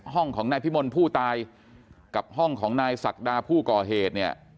ห้องของนายพิมลผู้ตายกับห้องของนายศักดาผู้ก่อเหตุเนี่ย